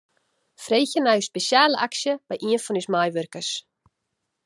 Freegje nei ús spesjale aksje by ien fan ús meiwurkers.